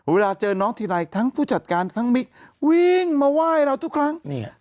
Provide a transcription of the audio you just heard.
เวลาเจอน้องทีไรทั้งผู้จัดการทั้งมิกวิ่งมาไหว้เราทุกครั้ง